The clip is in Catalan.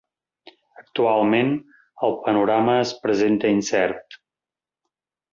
Actualment, el panorama es presenta incert.